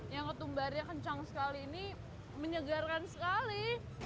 yang ketumbarnya kencang sekali ini menyegarkan sekali